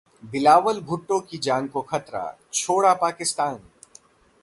बिलावल भुट्टो की जान को खतरा, छोड़ा पाकिस्तान!